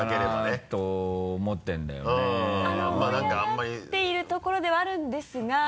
盛り上がっているところではあるんですが。